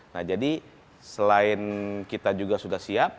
nah jadi selain kita juga sudah siap